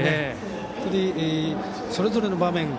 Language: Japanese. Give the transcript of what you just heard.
本当にそれぞれの場面